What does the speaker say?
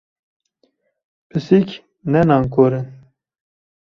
Pisîk, ne nankor in!